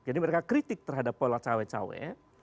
jadi mereka kritik terhadap pola cawe cawe